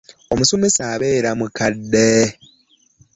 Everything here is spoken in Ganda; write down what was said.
Omusomesa abeera muzaddde.